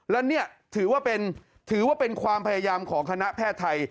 และนี่ถือว่าเป็นความพยายามของคณะแพทยไทย